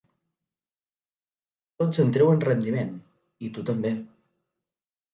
Tots en treuen rendiment, i tu també.